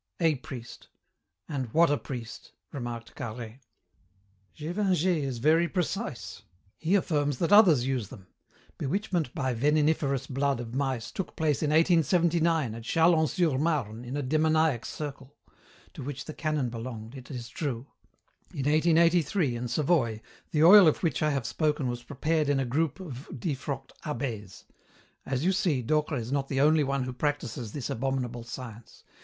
A priest. And what a priest!" remarked Carhaix. "Gévingey is very precise. He affirms that others use them. Bewitchment by veniniferous blood of mice took place in 1879 at Châlons sur Marne in a demoniac circle to which the canon belonged, it is true. In 1883, in Savoy, the oil of which I have spoken was prepared in a group of defrocked abbés. As you see, Docre is not the only one who practises this abominable science.